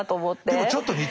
でもちょっと似てない？